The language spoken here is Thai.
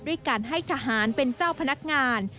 ด้วยการให้ทหารเป็นเจ้าพนักงาน